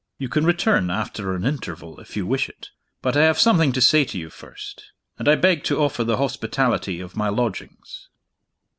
You can return, after an interval, if you wish it. But I have something to say to you first and I beg to offer the hospitality of my lodgings."